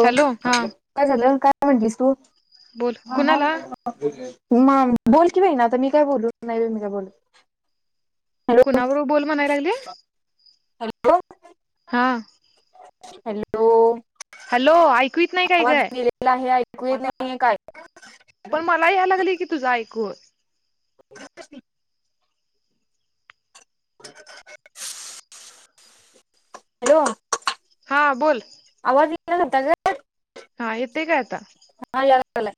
हो हॅलो हा काय झालं? काय म्हंटलीस तू? बोल कुणाला म बोल की बाई ना, आता मी काय बोलू? नाही बाई मी काय बोलत? कुणाबरोबर बोल म्हणाय लागले? हॅलो. हा. हॅलो, हॅलो ऐकू येत नाही काय आवाज काय गेलेला आहे. ऐकू येत नाहीये काय? पण मला याय लागलय की, तुझ ऐकूू [inaudible] हॅलो हा बोल. [unintelligible] हा येते का आता. चला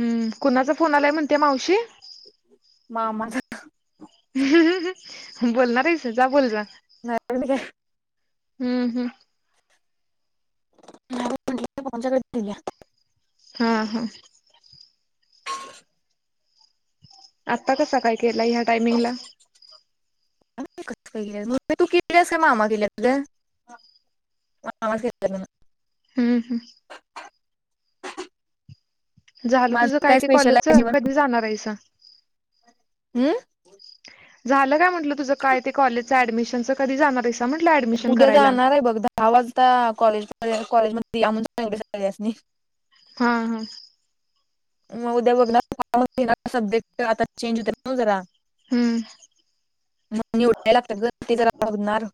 हम्म कुणाचा फोन आलाय म्हणते मावशी. मामाचा बोलणार आहेस. जा बोल जा. [unintelligible] हम्म हम्म [unintelligible] हा हा [inaudible] आता कसा काय केला ह्या टायमिंगला. [unintelligible] आवाज येतोय म्हण. हम्म हम्म झाल तुझ माझं काय ते स्पेशल आहे कॉलेजच जेवण कधी जाणार आहेसा. हम्म झालं काय म्हटलं तुझं काय ते कॉलेजं ऍडमिशनच कधी जाणार आहेस. उद्या जाणार आहे बघ दहा वाजता कॉलेजला. कॉलेजमध्ये या म्हणुन सांगितले सगळ्यांसनी. हा हा मग उद्या बघ ना सब्जेक्ट आता चेंज होत ना जरा. हम्म [unintelligible]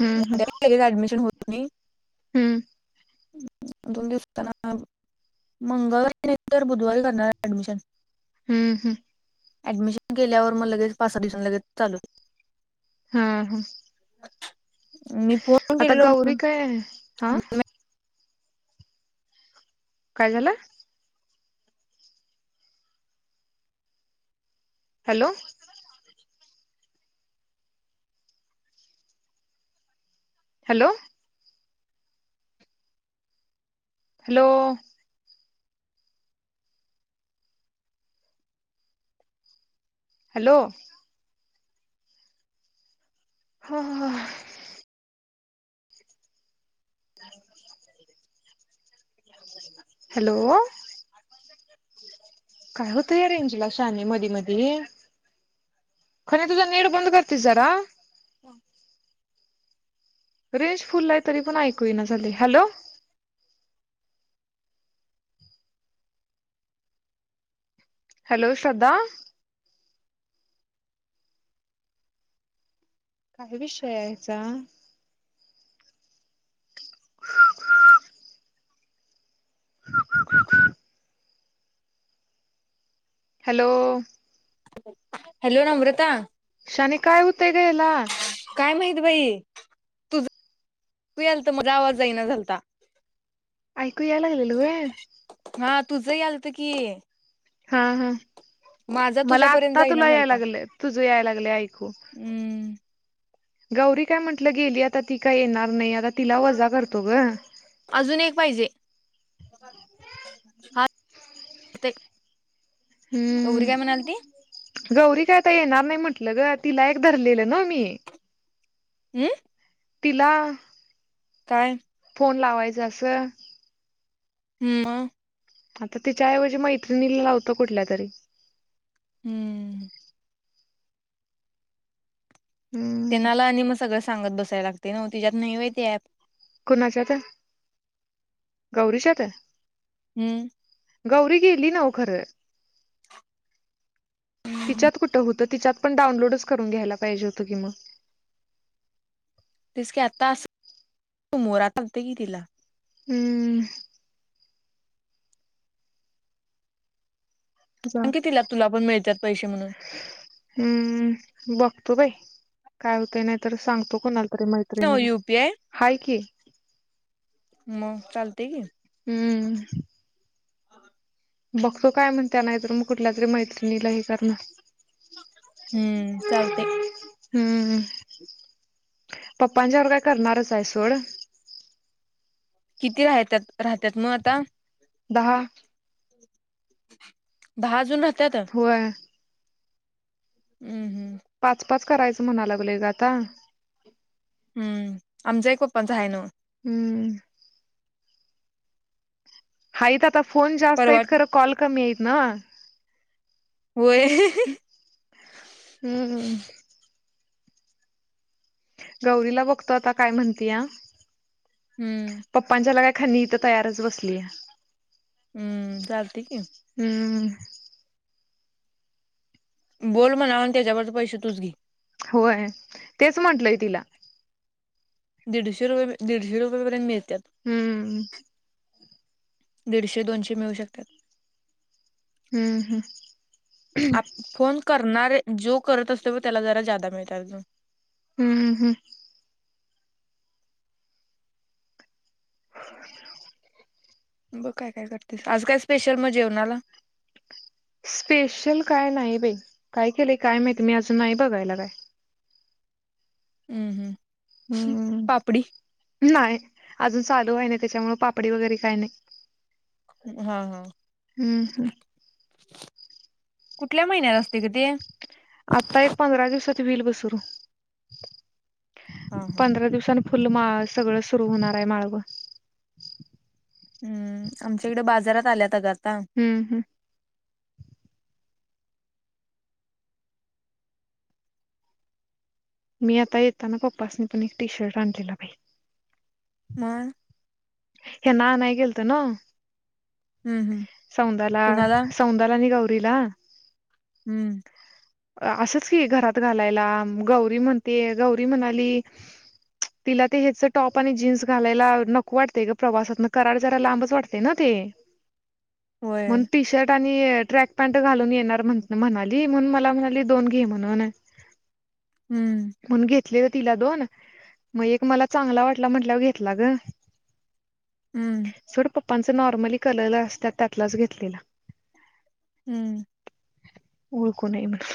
हम्म हम्म हम्म दोन दिवसना मंगळारी तर बुधवारी करणार एडमिशन. हम्म हम्म ऍडमिशन केल्यावर मग लगेच पाचसा दिवसन लगेच चालू. हा हा मी फोन आता केलेलं गौरी काय हा म्हणुन काय झाल. Hello hello hello hello [unintelligible] [inaudible] hello काय होत या रेंज ला शाने मधी मधी खणि तुझ नेट बंद करतीस जरा. रेंज फुल आहे तरी पण ऐकू येईना झाले हॅलो हॅलो श्रद्धा काय विषय याचा [unintelligible] हॅलो हॅलो नम्रता शाने काय होतंय ग याला काय माहित एकी बाई तुझं याल तर मला आवाज जाईना झालता. ऐकू यायला लागलेले वय. हा तुझं ही आलत की. हा हा. माझा मला तुझ्यापर्यंत आता जाईना तुला याय झालता लागले तुझ यायला लागले ऐकू. हम्म गौरी काय म्हंटलं गेली आता ती काय येणार नाही. आता तिला वजा करतो ग अजून एक पाहिजे. हो ते. [unintelligible] हम्म. गौरी काय आता येणार नाही म्हंटलं ग तिला एक धरलेलं. नो मी. हम्म. तिला काय? कोण लावायचं अस? म आता तिच्या ऐवजी मैत्रिणीला लावत कुठल्या तरी. हम्म हम्म त्यांनाला आणि मग सगळं सांगत बसायला लागतय. ते तुझ्यात नाही काय ते ॲप. कुणाच्यात गौरीच्यात? हम्म. गौरी गेली नव खरं. तिच्यात कुठ होत तिच्यात पण डाउनलोडच करून घ्यायला पाहिजे होत की मग. [unintelligible] तेच की आता अस मोरात की तिला [unintelligible] हम्म. जा अ कि तिला तुला पण मिळतात पैसे म्हणून. हम्म बघतो बाई काय होते नाही तर सांगतो कोणाला मैत्रिणीला युपीआय हाय की. मग चालतेय की, हम्म बघतो काय म्हणत्या नाहीतर, मग कुठल्या तरी मैत्रिणीला हे करणार. हम्म चालतय. हम्म. पप्पांच्या वर काय करणारच आहे सोड. किती हाय त्यात राहत्यात मग आता. दहा. दहा जण होय. हम्म हम्म पाच, पाच करायचं म्हणाय लागलोय ग आता. हम्म, आमच्या एक पप्पांचा हाय नव. हम्म. हायत आता, फोन जास्त परवा आहेत, खरं कॉल कमी आहेत ना. होय हम्. गौरीला बघतो आता काय म्हणत्या, हम्म पप्पांच्याला काय खनी इथ तयारच बसली या.. हम्म. चालतय की. हम्म. बोल म्हणाव आणि त्याच्यावरच पैसे तुच घे. होय. तेच म्हंटलय तिला. दीडशे रुपये, दिडशे रुपयेपर्यंत मिळ हम्म. दीडशे, दोनशे मिळू शकत्यात. हम्म हम्म आप फोन करणारे. जो करत असतोय बघ त्याला जरा जादा मिळतात अजून. हम्म, हम्म. [unintelligible] बग काय काय करतीस,, आज काय स्पेशल मग जेवणाला. स्पेशल काय नाही बाई,, काय केलंय काय माहिती मी अजून नाही बघायला काय. हम्म, हम्म. पापडी हम्म नाही. अजून चालू व्हाय नाही त्याच्यामुळ पापडी वगैरे काय नाही. हा हा. हम्म हम्म कुठल्या महिन्यात असतंय ग ते. आता एक पंधरा दिवसात वहील बघ सुरू हा हा पंधरा दिवसानी फुलं माळव सगळं सुरू होणार आहे माळवं. हम्म, आमच्या इकडं बाजारात आल्यात अगं आ. हम्म हम्म. मी आता ऐताना पप्पसनी पन एक टि शरटं आनलेला बाई. मा. हे ना नआनाय गेलत ना हम्म हम्म सौंदाला कुणाला सौंदाला नि गाऊ. रीला. हम्म. असंच की घरात घालायला गौरी म्हणती, गौरी म्हणाली. तिला ते हच टॉप आणि जीन्स घालायला नको वाट ग प्रवासातन कराड जरा लांबच वाटतय ना ते होय म्हणून टि शरट. णी ट्रॅक पॅ्ट घालून येणार म्हणाली, म्हणून मला म्हणाली दोन घे म्हणून. हम्म. घेतले व तिला दोन, मग एक मला चांगला वाटला म्हंटलाव घेतला ग. हम्म. आप्ांच नॉर्मली कलर असतात त्यातलाच घेतलेला. हम्म. ओळकू नये म्हणून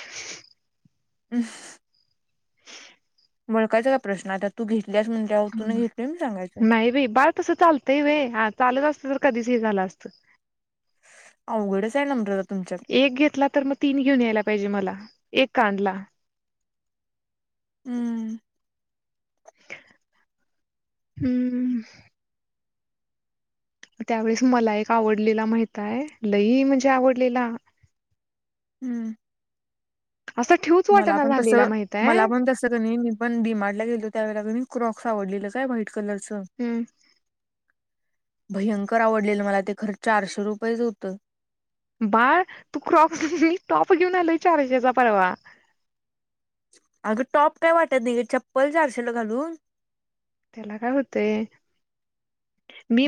हम्. वळखायचा काय प्रश्नय त्यात, तू घेतलीस म्हणल्याव तुून घेतलयस मनुन सांगायचं. तस चालतंय वय हा चालत असतं तर कधीच हे झालं असत. अवघडच आहे नम्रता तुमच्यात एक घेतला तर मग तीन घेऊन यायला पाहिजे मला. एक कांडला. हम्म. हम्म. त्यावेेळेस मला एक आवडलेला माहित आहे लई म्हणजे आवडलेला हम्म. असा ठेवूच मला वाटना पण तस झालेला माहित आहे मला पण तसं कनी मी पण डीमारडला गेलो त्या वेळे कणी क्रॉक्स आवडली तर काय वाईट कलरचं. हम्म भयंकर आवडलेल मला ते खर्च चारशे रुपयेच होतं. बाळ तू क्रॉप मी टॉप घेऊन आलोय चारशेचा परवा अगं टॉप काय वाटत नाही चप्पल चारशेला घालून त्याला काय होतेय.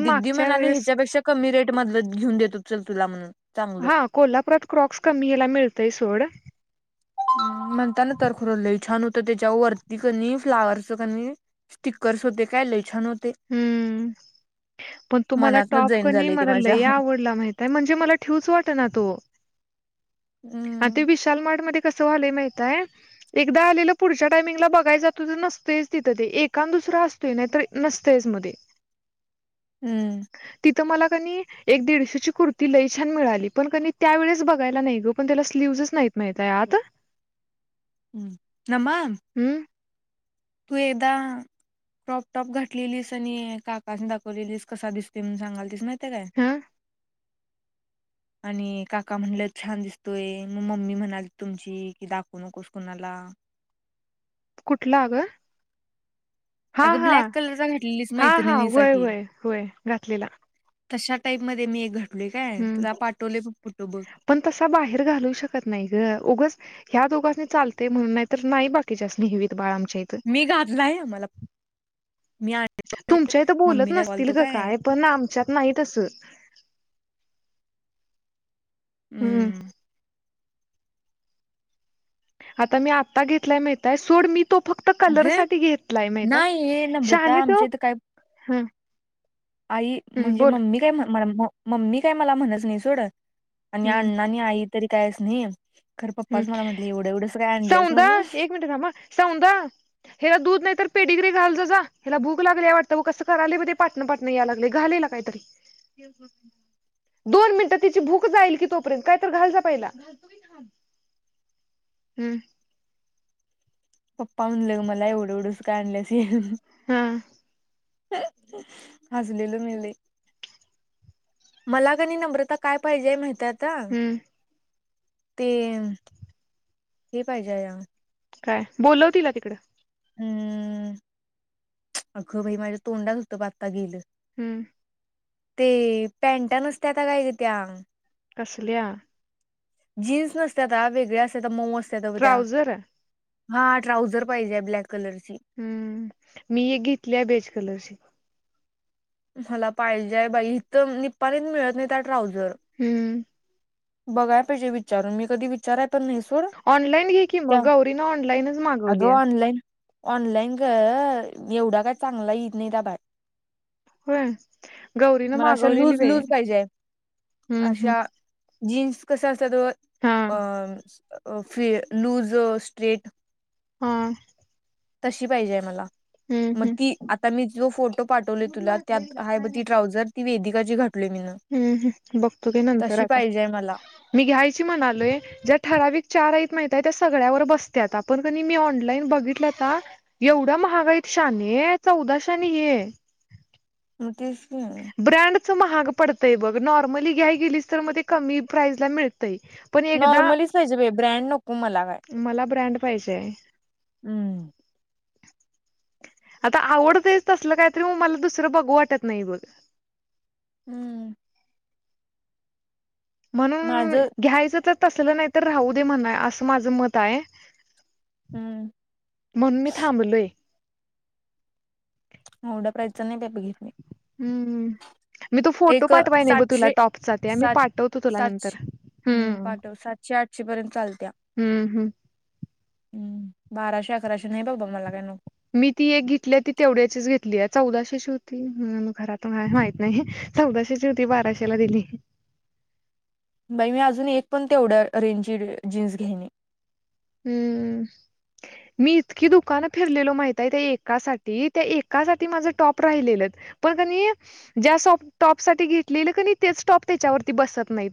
दिद्दी म्हणाली ह्याच्यापेक्षा कमी रेट मध घेऊन देतो चल तुला म्हणून चांगलं हा कोल्हापुरात क्रॉक्स कमी याला मिळतय सोड. म्हणता ना तर खुरोलं छान होतं त्याच्या वरती क फ्लावरच कनी स्टिक करस होते काय लय छान हो. हम्म. पण तो मला मनातन टॉप जैन कनी झाले ते मला माझ्या लया आवडला. माहितय, म्हणजे मला ठेवूच वाटना तो अ ते हम्म विशाल मार्टमध्ये कसं व्हालय माहिताय, एकदा आलेलं पुढच्या टायमिंगला बघाय जातो तर नसतयच तिथं ते एका न दूस सरं असतोय नाहीत तर नसतयच मध्ये हम्म मला कनई, एक दीडशे ची कुर्ती लई छान मिळाली, पण कनई तिथं पण त्याला स्लीव्हजच नाहीत माहितय आत हम्म [unintelligible] तू येदा टॉप- टॉप घातलेलीस आणि काकास दाखवलेलीस, कसा दिसतय म्हनून सांगालतिस ना [unintelligible] काय हा [unintelligible] आणि काका म्हणले छान दिसतोय, मग मम्मी म्हणाली तुमची कि, दाखवू नकोस कुणाला. हा कुठला ग? हा अगं हा, ब्लॅक कलरचा घातलेलीस हा हा, मैत्रिणीचा होय- की होय, होय घातलेला. तशा टाईप मध्ये मी घट हम् पण तसा बाहेर घालू शकत नाही ग, उगच ह्या दोघांस्नि चालतय म्हनून, नाही तर नाही बाकीच्यास्नि [unintelligible] मी घातलाय, आम्हाला तुमच्या इथ बोलत मम्मीला नसतील बोलतो ग काय, पण आमच्यात नाही तसं हम्म आता मी आता घेतलाय, माहिताय सोड मी तो फक्त कलर अगं साठी घेतलाय माहितय, नाही हे नम्रता शहाने तो आमच्या इथं काय आई हम्म म्हणजे बोल मम्मी काय म्ह मम्मी काय मला म्हणत नाही सोड आणि हम्म अण्णा आणि आई तरी कायच नाही खरं हम्, पप्पाच मला म्हटले एवढं एवढंच काय आणलंस सौंदा म्हणून एक मिनट थांब अ, सौंद हेला दूध नाही तर पेडीग्री घालजा जा, हला भूक लागले वाटत. कसं कराले म ते पाटणं पाटणं या लागलय घा ल काहीतरी. दोन मिनिटं, तिची भूक जाईल कि तोपर्यंत, काय तर घाल जा पाहिला. हम् पप्पा म्हणलं मला, एवढं - एवढंच का आणल्यास ये [unintelligible] ह [unintelligible] हसलेलो मी लय. मला काणी नम्रता काय पाहिजे, माहित हम्म ते, हे पाहिजे या काय, बोलव तीला तिकडं. हम्म, आग बाई माझ्या तोंडात होतं आता गेलं. हम् ते पॅनटा नसत्याता काय ग? त्या कसल्या? जीन्स नसत्याता, वेगळ्या असत्याता, मऊ अस ट्राउजर? हा ट्राऊझर पाहिजे, ब्लॅक कलरची हम्म, मी एक घेतली बेच कलरची. मला पाहिजेय बाई, इथ, निपाणीत मिळत नाहीत्या ट्राऊझर. हम्म बघाय पाहिजे विचारून, मी कधी विचाराय पण नाही सोड, ऑनलाईन घे की त्या मग गौरीनं ऑनलाईनच मागवली अगं, आहे ऑनलाईन ऑनलाईन ग, एवढा काय चांगला येत नाहीता [unintelligible] होय गौरीनं मला अशा मागवलेली लूज बाई लूज पाहिजे हम्म हम्म अशा जीन्स कसा असत हा त लूज स्ट्रेट हा. तशी पाहिजे मला हम्म मग हम्म ती आता मी जो फोटो पाठवले तुला त्यात हाय ब ती ट्रॉझर ती वेदिका ची हम्म हम्म बघतो की नंतर तशी आता पाहिजेय मला मी घ्यायची म्हणालोय ज्या ठराविक चार हायेत मा त्या सगळ्यावर बसत आपण क मी ऑनलाइन बघितल्या आता एवढा महाग हयात शहाणे ये चौदाशे नि ये नतीेश. ब्रँडच महाग पडतय बघ नॉर्मली घ्या गेलीस तर मग ते कमी प्राईजला मिळतय. नॉर्मली पाहजे बाई ब्रँड नको मला काय मला ब्रँड पाहिजे हम्म. आता आवडत तसलं काहीतरी मग मला दुसरं बघू वाटत नाही बघ. हम्म. म्हणून माझं घ्यायचं तर असलं नाही तर राहू दे म्हण असं माझ मत आहे. हम्म म्हणून मी थांबलोय एवढ्या प्राइजच नाही बाई बघितली हम्म. मी तो फोटो एक पाठवाय नाही ब तुला सातशे टॉपचा ते मी सात पाठवतो तुला सातशे नंतर ह हम्म पाठव सातशे आठशे पर्यंत चालत्या. हम्म हम्म. हम्म बाराशे अकराशे नाही बबा मला काय मी ती एक घेतली ती तेवढ्याचीच घेतली आहे चौदाशेची होती घरात कोणाला माहित नाही. चौदाशेची होती बाराशेला दिली. बाई मी अजून एक पण तेवढ्या रेंजची जीन्स घ्याने हम्म. मी इतकी दुकानं फिरलेलो माहित आहे त्या एकासाठी त्या एकासाठी माझ टॉप राहिलेलं. पण क ज्या स टॉप साठी घेतलेलं क तेच टॉप त्याच्यावरती बसत नाहीत.